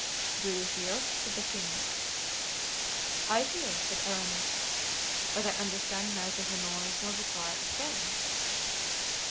"Do you hear?" said the king. "I hear," said Aramis, "but I understand neither the noise nor the cry of pain."